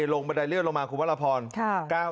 บันไดเลื่อนลงมาคุณพระราพร